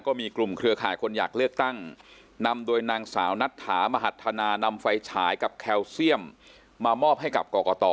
ก็มีกลุ่มเครือข่ายคนอยากเลือกตั้งนำโดยนางสาวนัทธามหัฒนานำไฟฉายกับแคลเซียมมามอบให้กับกรกต